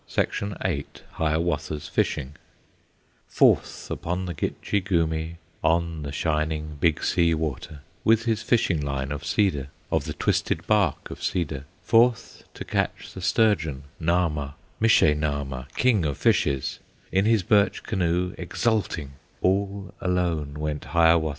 VIII Hiawatha's Fishing Forth upon the Gitche Gumee, On the shining Big Sea Water, With his fishing line of cedar, Of the twisted bark of cedar, Forth to catch the sturgeon Nahma, Mishe Nahma, King of Fishes, In his birch canoe exulting All alone went Hiawatha.